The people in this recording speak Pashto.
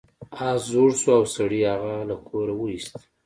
اس زوړ شو او سړي هغه له کوره وویست.